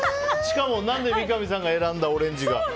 しかも何で三上さんが選んだオレンジが。